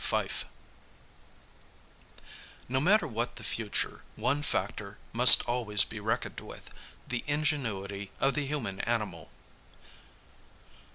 ] [Sidenote: _No matter what the future, one factor must always be reckoned with the ingenuity of the human animal.